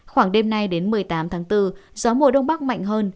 khoảng đêm nay đến một mươi tám tháng bốn gió mùa đông bắc mạnh hơn